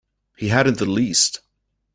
He hadn't the least.